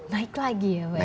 naik lagi ya pak